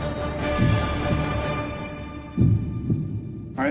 はい。